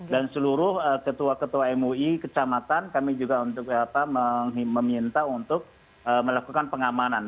dan seluruh ketua ketua mui kecamatan kami juga meminta untuk melakukan pengamanan